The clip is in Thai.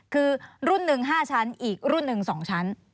คือรุ่นหนึ่ง๕ชั้นอีกรุ่นหนึ่ง๒ชั้น